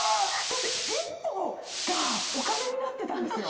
だって１歩がお金になってたんですよ